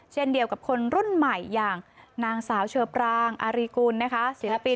เช่นเดียวกับคนรุ่นใหม่อย่างนางสาวเชอปรางอารีกุลนะคะศิลปิน